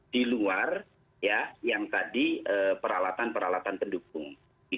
di luar ya yang tadi peralatan peralatan pendukung